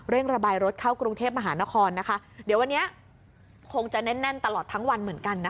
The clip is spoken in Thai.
ระบายรถเข้ากรุงเทพมหานครนะคะเดี๋ยววันนี้คงจะแน่นแน่นตลอดทั้งวันเหมือนกันนะคะ